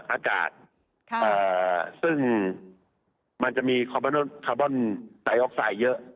อากาศค่ะเอ่อซึ่งมันจะมีคอร์โบนไตออกไซด์เยอะ